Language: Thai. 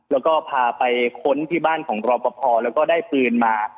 แล้วก็พาไปค้นที่บ้านของรอปภแล้วก็ได้ปืนมา